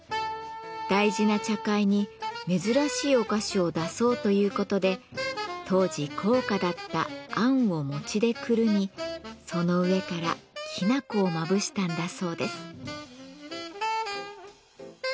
大事な茶会に珍しいお菓子を出そうということで当時高価だったあんを餅でくるみその上からきな粉をまぶしたんだそうです。